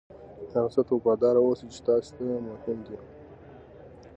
هغه څه ته وفادار اوسئ چې تاسې ته مهم دي.